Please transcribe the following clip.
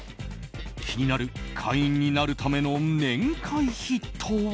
気になる会員になるための年会費とは？